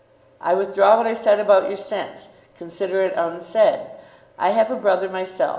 "I withdraw what I said about your sense. Consider it unsaid. I have a brother myself.